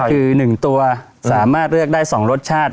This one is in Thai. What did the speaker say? คือ๑ตัวสามารถเลือกได้๒รสชาติ